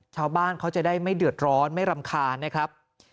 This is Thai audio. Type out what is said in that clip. ชาวบ้านเขาจะได้ไม่เดือดร้อนไม่รำคาญนะครับ